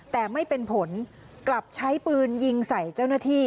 แต่ไม่เป็นผลกลับใช้ปืนยิงใส่เจ้าหน้าที่